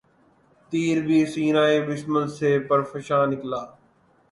تیر بھی سینہٴ بسمل سے پرافشاں نکلا